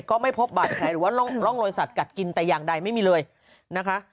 ก็ไม่พบบาดแผลหรือว่าร่องรอยสัตว์กัดกินแต่อย่างใดไม่มีเลยนะคะ